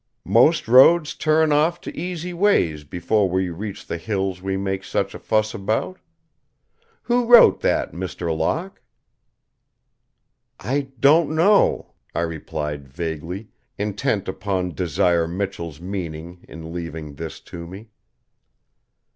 Most roads turn off to easy ways before we reach the hills we make such a fuss about. Who wrote that, Mr. Locke?" "I don't know," I replied vaguely, intent upon Desire Michell's meaning in leaving this to me.